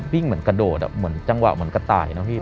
วิ่งเหมือนกระโดดจังหวะเหมือนกระต่ายนะพี่